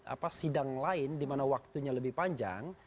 apa sidang lain di mana waktunya lebih panjang